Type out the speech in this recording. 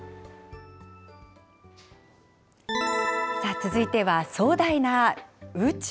続いては、壮大な宇宙。